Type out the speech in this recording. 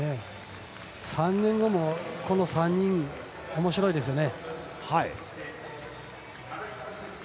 ３年後もこの３人おもしろいですよね。